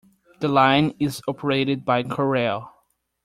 The line is operated by Korail.